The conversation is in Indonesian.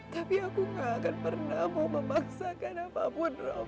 tapi aku tidak akan pernah memaksakan apapun rob